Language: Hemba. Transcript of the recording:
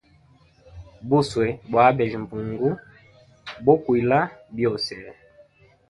Buswe bwa abejya mbungu bokwila byose.